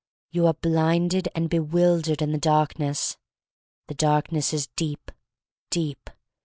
You are blinded and bewildered in the dark ness — the darkness is deep — deep.